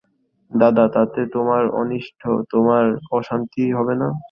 দাদা, তাতে তোমার অনিষ্ট, তোমার অশান্তি হবে না?